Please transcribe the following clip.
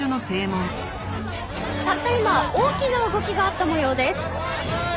たった今大きな動きがあった模様です。